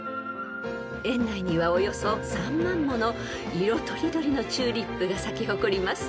［園内にはおよそ３万もの色とりどりのチューリップが咲き誇ります］